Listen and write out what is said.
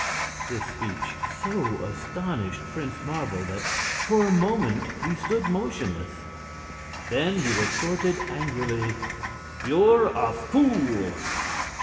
This speech so astonished Prince Marvel that for a moment he stood motionless. Then he retorted, angrily: "You're a fool!"